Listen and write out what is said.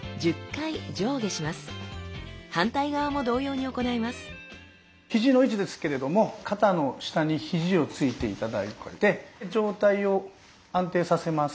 続いてはひじの位置ですけれども肩の下にひじをついて頂いて上体を安定させます。